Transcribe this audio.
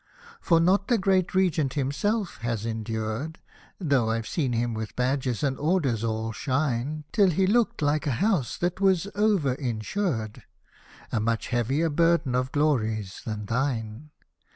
For not the great R — g — t himself has endured (Though I've seen him with badges and orders all shine. Till he looked like a house that was over insured) A much heavier burden of glories than thine.